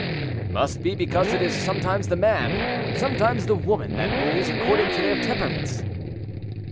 "It must be because it is sometimes the man, sometimes the woman that rules, according to their temperaments."